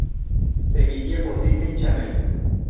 Se emitía por Disney Channel.